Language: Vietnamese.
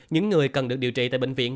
những người cần được điều trị tại bệnh viện